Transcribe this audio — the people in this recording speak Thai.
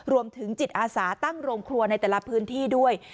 รวมถึงจิตอาสาตั้งโรงครัวในแต่ละพื้นที่ด้วย